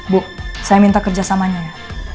bu saya minta kerjasamanya ya